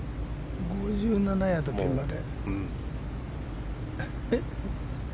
５７ヤード、ピンまで。